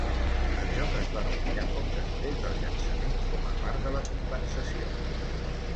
El joc es va retirar poc després del llançament com a part de la compensació.